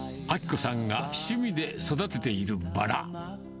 アキ子さんが趣味で育てているバラ。